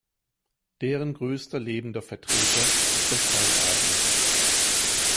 Deren größter lebender Vertreter ist der Steinadler.